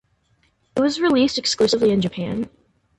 It was released exclusively in Japan.